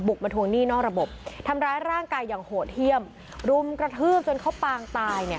มาทวงหนี้นอกระบบทำร้ายร่างกายอย่างโหดเยี่ยมรุมกระทืบจนเขาปางตายเนี่ย